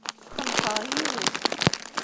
Xenqeɣ yiwet.